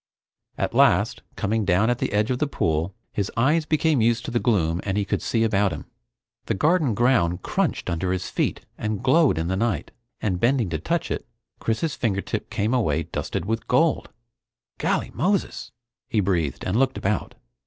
At last, coming down at the edge of the pool, his eyes became used to the gloom and he could see about him. The garden ground crunched under his feet and glowed in the night, and bending to touch it, Chris's fingertip came away dusted with gold, "Golly Moses!" he breathed, and looked about.